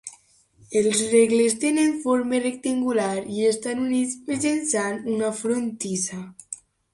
Els regles tenen forma rectangular i estan units mitjançant una frontissa.